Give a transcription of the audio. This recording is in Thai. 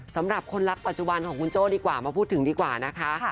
สำหรับคนรักปัจจุบันของคุณโจ้ดีกว่ามาพูดถึงดีกว่านะคะ